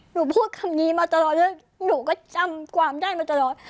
พูดคำนี้มาตลอดว่าหนูก็จำความได้มาตลอด